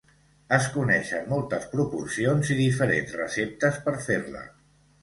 Es coneixen moltes proporcions i diferents receptes per fer-la.